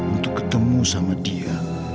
untuk ketemu sama dia